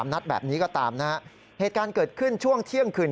นัดแบบนี้ก็ตามนะฮะเหตุการณ์เกิดขึ้นช่วงเที่ยงคืน